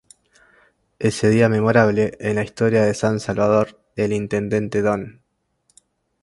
Ese día memorable, en la historia de San Salvador, el intendente don.